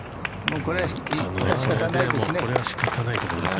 ◆これは仕方のないところですね。